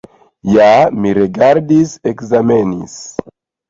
Ja mi rigardis, ekzamenis!